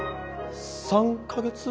３か月！